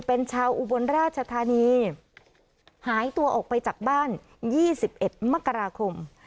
เป็นชาวอุบลราชธานีหายตัวออกไปจากบ้าน๒๑มกราคม